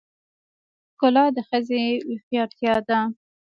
ښکلا د ښځې هوښیارتیا ده .